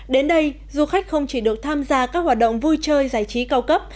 đến đây du khách không chỉ được tham gia các hoạt động vui chơi giải trí cao cấp